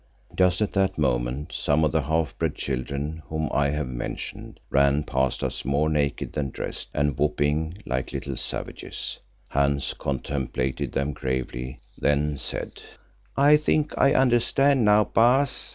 Just at that moment some of the half breed children whom I have mentioned, ran past us more naked than dressed and whooping like little savages. Hans contemplated them gravely, then said, "I think I understand now, Baas.